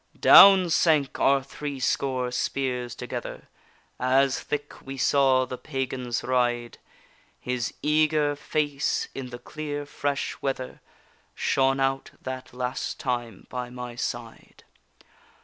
Down sank our threescore spears together, As thick we saw the pagans ride; His eager face in the clear fresh weather, Shone out that last time by my side.